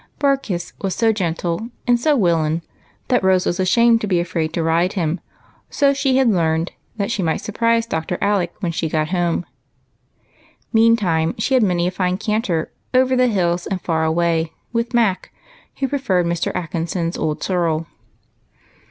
" Barkis " was so gentle and so " willin," however, that Rose was ashamed to be afraid to ride him ; so she had learned, that she might surprise Dr. Alec when she got home ; meantime she had many a fine canter "over the hills and far away" with Mac, who preferred Mr. Atkinson's old Sorrel.